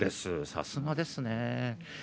さすがですね。